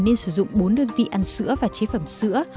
nên sử dụng bốn đơn vị ăn sữa và chế phẩm sữa